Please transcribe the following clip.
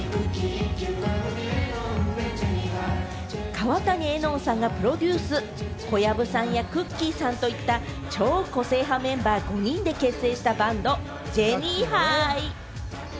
川谷絵音さんがプロデュース、小籔さんや、くっきー！さんといった、超個性派メンバー５人で結成したバンド・ジェニーハイ！